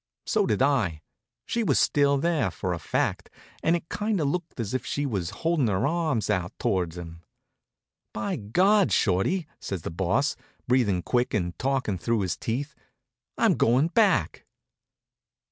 So did I. She was still there, for a fact, and it kind of looked as if she was holding her arms out toward him. "By God, Shorty," says the Boss, breathing quick and talking through his teeth, "I'm going back."